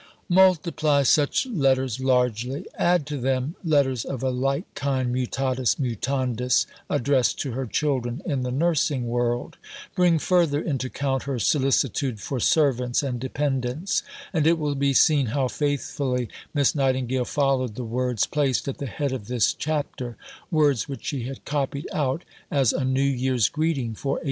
Multiply such letters largely; add to them letters of a like kind, mutatis mutandis, addressed to her "children" in the nursing world; bring further into count her solicitude for servants and dependents: and it will be seen how faithfully Miss Nightingale followed the words placed at the head of this chapter words which she had copied out as "A New Year's Greeting" for 1889.